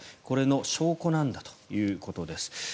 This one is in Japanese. これの証拠なんだということです。